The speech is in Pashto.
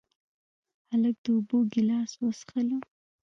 هلک د اوبو ګیلاس وڅښله.